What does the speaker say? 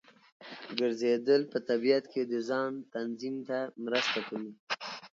ګرځېدل په طبیعت کې د ځان تنظیم ته مرسته کوي.